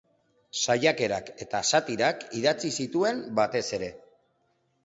Saiakerak eta satirak idatzi zituen batez ere.